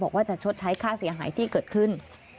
บอกว่าจะชดใช้ค่าเสียหายที่เกิดขึ้น